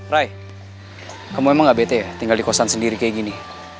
ray kamu emang gak bete ya tinggal di kosan sendiri kayak gini